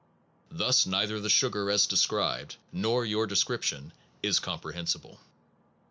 Thus neither the sugar as described, nor your de scription, is comprehensible.